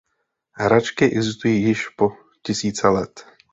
Hračky existují již po tisíce let.